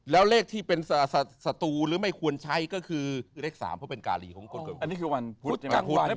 แล้วเลขที่เป็นสตูหรือไม่ควรใช้ก็คือเลข๓เพราะเป็นการีของคนเกิดอันนี้คือวันพุธใช่ไหม